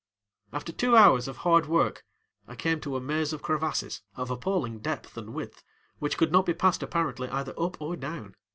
After two hours of hard work I came to a maze of crevasses of appalling depth and width which could not be passed apparently either up or down.